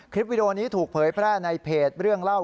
วิดีโอนี้ถูกเผยแพร่ในเพจเรื่องเล่า